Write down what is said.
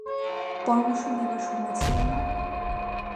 পরামর্শ নেবার সময় ছিল না।